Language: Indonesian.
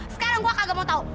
sekarang gue kagak mau tau